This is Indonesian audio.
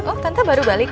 oh tante baru balik